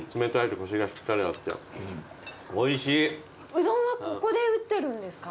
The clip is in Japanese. うどんはここで打ってるんですか？